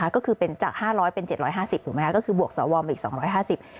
ก็คือเป็นจาก๕๐๐เป็น๗๕๐ถูกไหมคะก็คือบวกสวมาอีก๒๕๐